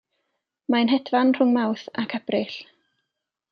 Mae'n hedfan rhwng Mawrth ac Ebrill.